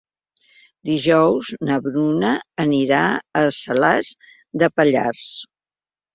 Dijous na Bruna anirà a Salàs de Pallars.